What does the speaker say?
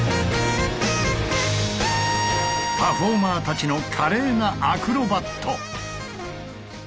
パフォーマーたちの華麗なアクロバット。